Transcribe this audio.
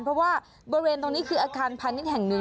เพราะว่าบริเวณตรงนี้คืออาคารพาณิชย์แห่งหนึ่ง